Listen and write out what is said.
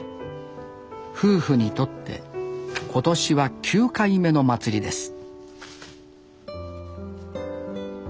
夫婦にとって今年は９回目の祭りです